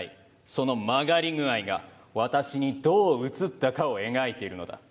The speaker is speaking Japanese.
その曲がり具合が私にどう映ったかを描いているのだ。